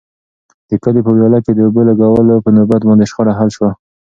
د کلي په ویاله کې د اوبو لګولو په نوبت باندې شخړه حل شوه.